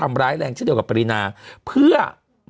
มันติดคุกออกไปออกมาได้สองเดือน